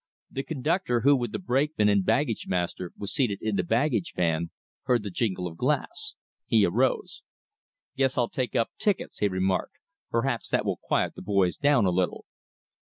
The conductor, who, with the brakeman and baggage master, was seated in the baggage van, heard the jingle of glass. He arose. "Guess I'll take up tickets," he remarked. "Perhaps it will quiet the boys down a little."